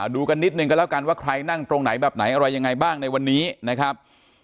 ดูกันนิดนึงกันแล้วกันว่าใครนั่งตรงไหนแบบไหนอะไรยังไงบ้างในวันนี้นะครับ